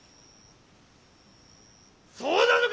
そうなのか！？